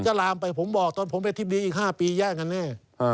ลามไปผมบอกตอนผมเป็นอธิบดีอีก๕ปีแย่งกันแน่